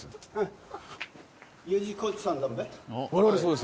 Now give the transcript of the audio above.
我々そうです。